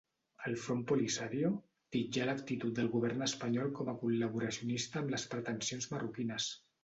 El Front Polisario titllà l'actitud del govern espanyol com a col·laboracionista amb les pretensions marroquines.